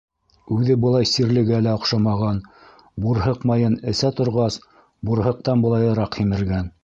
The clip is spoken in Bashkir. Үҙе былай сирлегә лә оҡшамаған, бурһыҡ майын эсә торғас, бурһыҡтан былайыраҡ һимергән.